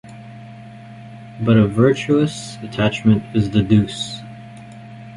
But a virtuous attachment is the deuce.